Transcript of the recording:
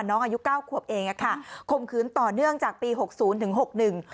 น้องอายุ๙ควบเองข่มขืนต่อเนื่องจากปี๖๐ถึง๖๑